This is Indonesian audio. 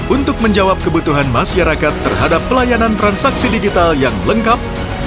untuk menjawab kebutuhan masyarakat terhadap pelayanan transaksi digital yang lengkap